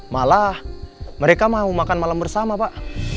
malah mereka mau makan malam bersama pak